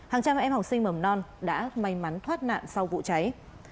hàng trăm em học sinh mầm non đã may mắn thoát nạn sau vụ cháy